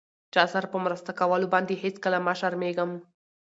چاسره په مرسته کولو باندې هيڅکله مه شرميږم!